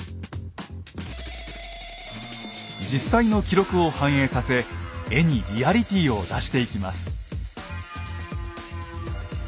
実際の記録を反映させ絵にリアリティーを出していきます。